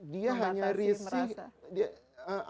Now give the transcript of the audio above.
dia hanya risih